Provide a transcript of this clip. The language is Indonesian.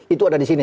itu ada di sini